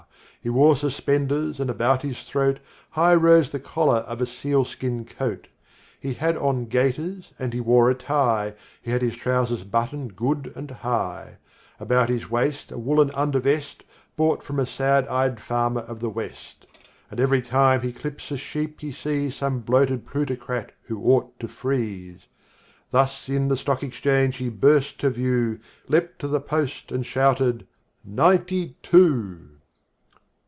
He wore suspenders and about his throat High rose the collar of a sealskin coat. He had on gaiters and he wore a tie, He had his trousers buttoned good and high; About his waist a woollen undervest Bought from a sad eyed farmer of the West. (And every time he clips a sheep he sees Some bloated plutocrat who ought to freeze), Thus in the Stock Exchange he burst to view, Leaped to the post, and shouted, "Ninety two!"